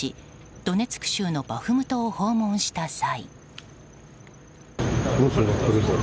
ドネツク州のバフムトを訪問した際。